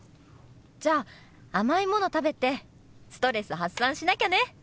じゃあ甘いもの食べてストレス発散しなきゃね！